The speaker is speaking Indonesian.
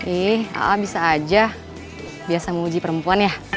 ih a a bisa aja biasa mau uji perempuan ya